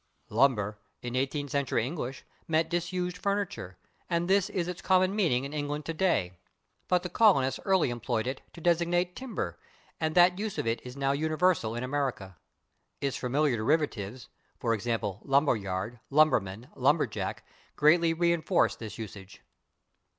/Lumber/, in eighteenth century English, meant disused furniture, and this is its common meaning in England today. But the colonists early employed it to designate timber, and that use of it is now universal in America. Its familiar derivatives, /e. g./, /lumber yard/, /lumberman/, /lumberjack/, greatly reinforce this usage.